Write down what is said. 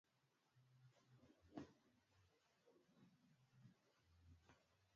sheria za kimataifa zilizofafanua mauaji ya kimbari